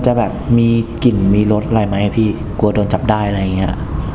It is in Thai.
กับแฟนเดี๋ยวเองหรือว่าไงครับคนอื่นคนอื่นพี่